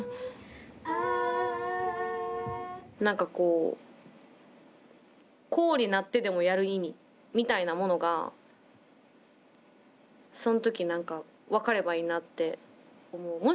何かこうこうになってでもやる意味みたいなものがその時何か分かればいいなって思う。